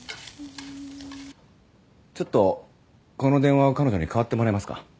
ちょっとこの電話を彼女に代わってもらえますか？